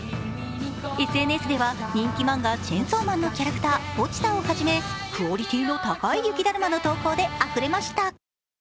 ＳＮＳでは人気漫画「チェンソーマン」のキャラクター、ポチタをはじめクオリティーの高い雪だるまの投稿であふれました。